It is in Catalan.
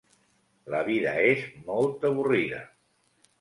La vida és molt avorrida.